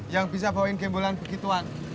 yang bisa bawain gembolan begituan